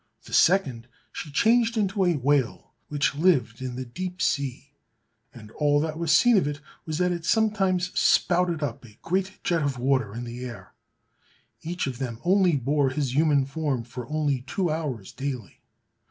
The second, she changed into a whale, which lived in the deep sea, and all that was seen of it was that it sometimes spouted up a great jet of water in the air. Each of them only bore his human form for only two hours daily.